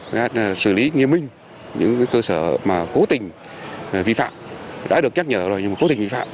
chúng tôi cũng xử lý nghiêm minh những cơ sở mà cố tình vi phạm đã được nhắc nhở rồi nhưng mà cố tình vi phạm